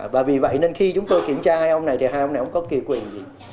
và vì vậy nên khi chúng tôi kiểm tra hai ông này thì hai ông này ông có kỳ quyền gì